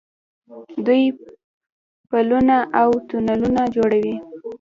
دوی پلونه او تونلونه جوړوي.